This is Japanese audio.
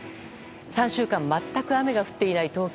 ３週間全く雨が降っていない東京。